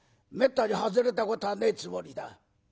めったに外れたことはねえつもりだ。